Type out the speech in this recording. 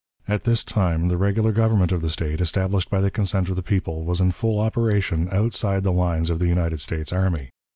At this time the regular government of the State, established by the consent of the people, was in fall operation outside the lines of the United States army.